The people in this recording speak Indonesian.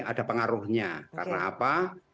ada pengaruhnya karena apa